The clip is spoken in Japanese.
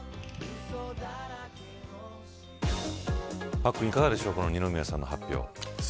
パックン、いかがでしょう二宮さんの発表。